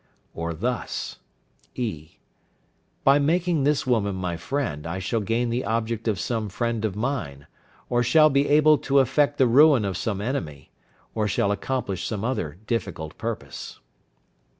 Or thus: (e). By making this woman my friend I shall gain the object of some friend of mine, or shall be able to effect the ruin of some enemy, or shall accomplish some other difficult purpose.